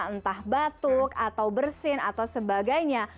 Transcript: entah batuk atau bersin atau sebagainya